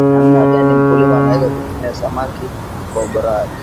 namna gani mkulima anaweza kutumia samadi kwa ubora wake